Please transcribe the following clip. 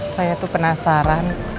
saya tuh penasaran